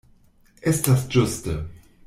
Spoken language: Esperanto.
Estas ĝuste.